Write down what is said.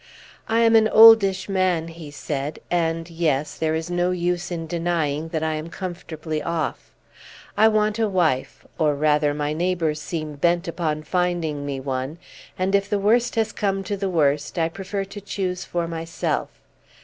"I am an oldish man," he said, "and yes, there is no use in denying that I am comfortably off. I want a wife; or rather, my neighbors seem bent upon finding me one; and, if the worst has to come to the worst, I prefer to choose for myself.